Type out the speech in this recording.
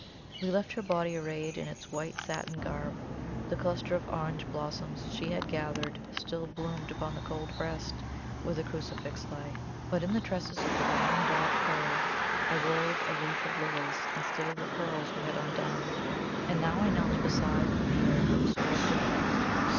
We left her body arrayed in its white satin garb; the cluster of orange blossoms she had gathered still bloomed upon the cold breast, where the crucifix lay; but in the tresses of the long dark hair I wove a wreath of lilies instead of the pearls we had undone. And now I knelt beside the bier absorbed in thought.